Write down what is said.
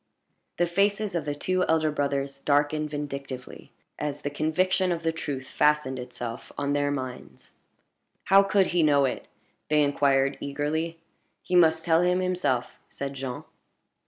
The faces of the two elder brothers darkened vindictively, as the conviction of the truth fastened itself on their minds. "How could he know it?" they inquired, eagerly. "He must tell us himself," said Jean.